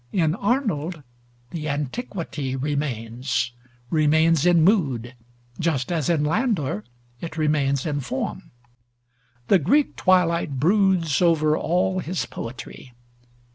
In Arnold the antiquity remains; remains in mood, just as in Landor it remains in form. The Greek twilight broods over all his poetry.